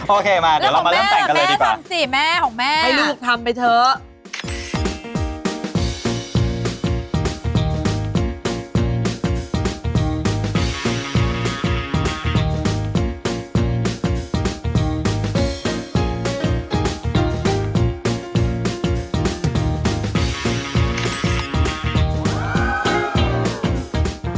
โอเคมาเดี๋ยวเรามาเริ่มใส่กันเลยแม่ทำสิแม่ของแม่ให้ลูกทำไปเถอะ